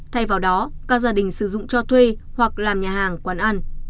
thay vào đó các gia đình sử dụng cho thuê hoặc làm nhà hàng quán ăn